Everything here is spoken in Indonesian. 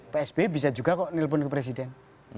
pak sby bisa juga kok nelpon ke presiden